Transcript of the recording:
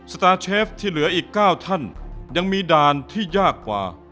สตาร์เชฟที่เหลืออีก๙ท่านยังมีด่านที่ยากกว่า